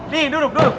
nih duduk duduk